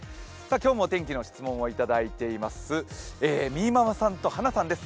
今日もお天気の質問をいただいていますみぃママさんとＨａｎａさんです